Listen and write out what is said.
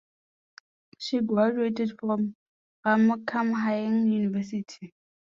She graduated from Ramkhamhaeng University.